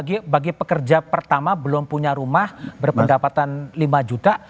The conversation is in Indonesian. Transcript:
apalagi bagi pekerja pertama belum punya rumah berpendapatan lima juta